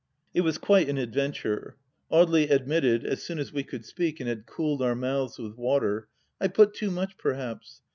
It was quite an adventure 1 Audely admitted, as soon as we could speak and had cooled our mouths with water :" I put too much, perhaps.